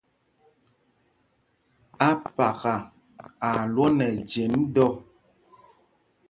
́Ápaka a lwɔɔ nɛ ɛjem dɔ.